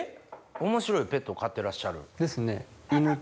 面白いペットを飼ってらっしゃる？